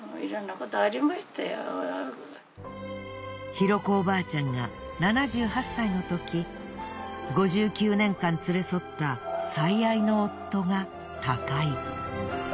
尋子おばあちゃんが７８歳のとき５９年間連れ添った最愛の夫が他界。